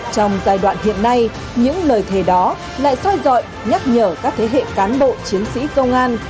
trong giai đoạn hiện nay những lời thề đó lại soi dọi nhắc nhở các thế hệ cán bộ chiến sĩ công an